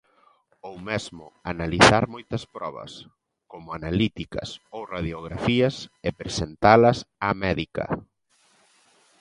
Ou mesmo analizar moitas probas, como analíticas ou radiografías, e presentalas á médica.